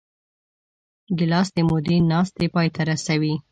ګیلاس د مودې ناستې پای ته رسوي.